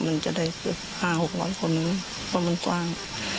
มันจะได้เกือบ๕๖๐๐คนเพราะมันกว้าง